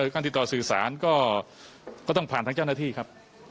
การติดต่อสื่อสารก็ต้องผ่านทางเจ้าหน้าที่ครับ